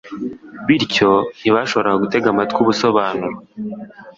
bityo ntibashoboraga gutega amatwi ubusobanuro